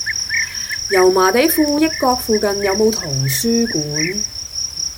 油麻地富益閣附近有無圖書館？